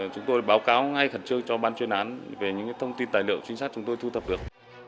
chúng tôi báo cáo ngay khẩn trương cho ban chuyên án về những cái thông tin tài liệu chính xác chúng tôi thu tập được